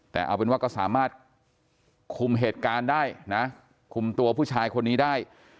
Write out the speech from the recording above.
แต่เอาเป็นว่าก็สามารถคุมเหตุการณ์ได้นะคุมตัวผู้ชายคนนี้ได้